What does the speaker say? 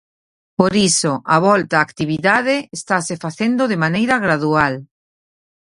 Por iso á volta á actividade estase facendo de maneira gradual.